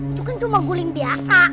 itu kan cuma guling biasa